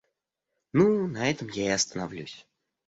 Ну, на этом я и остановлюсь.